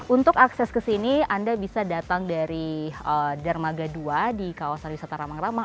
untuk akses ke sini anda bisa datang dari dermaga dua di kawasan wisata ramang ramang